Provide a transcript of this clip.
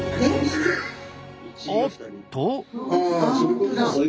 おっと。